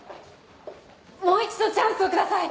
もう一度チャンスをください